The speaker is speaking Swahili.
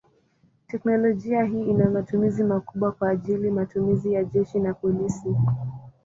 Teknolojia hii ina matumizi makubwa kwa ajili matumizi ya jeshi na polisi.